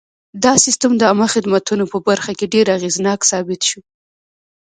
دا سیستم د عامه خدمتونو په برخه کې ډېر اغېزناک ثابت شو.